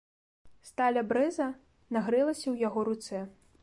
Сталь абрэза нагрэлася ў яго руцэ.